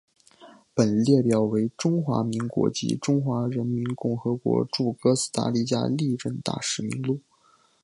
本列表为中华民国及中华人民共和国驻哥斯达黎加历任大使名录。